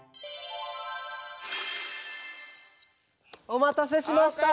おまたせしました！